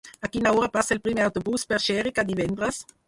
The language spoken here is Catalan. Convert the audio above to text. A quina hora passa el primer autobús per Xèrica divendres?